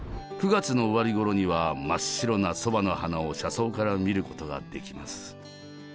９月の終わりごろには真っ白なそばの花を車窓から見ることができます。